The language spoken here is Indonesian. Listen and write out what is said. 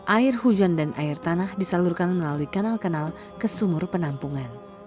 air hujan dan air tanah disalurkan melalui kanal kanal ke sumur penampungan